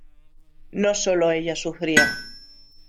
No solo ella sufría.